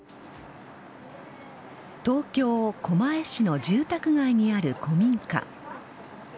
東京・狛江市の住宅街にある古民家。